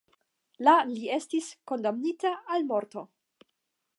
La li estis kondamnita al morto.